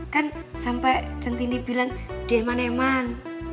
kan sampai centini bilang deman eman